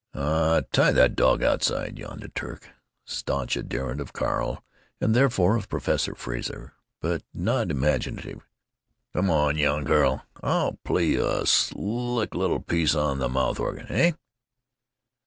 "Oh, tie that dog outside," yawned the Turk, stanch adherent of Carl, and therefore of Professor Frazer, but not imaginative. "Come on, young Kerl; I'll play you a slick little piece on the mouth organ. Heh?"